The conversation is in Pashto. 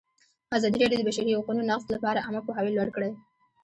ازادي راډیو د د بشري حقونو نقض لپاره عامه پوهاوي لوړ کړی.